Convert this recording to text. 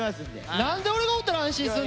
なんで俺がおったら安心すんねん。